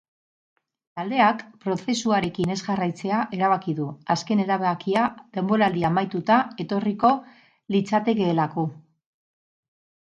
Taldeak prozesuarekin ez jarraitzea erabaki du, azken erabakia denboraldia amaituta etorriko litzatekeelako.